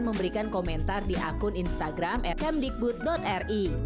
memberikan komentar di akun instagram at mdikbud ri